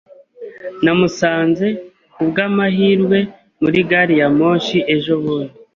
Namusanze kubwamahirwe muri gari ya moshi ejobundi.